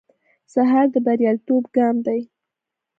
سهار د بریالیتوب ګام دی.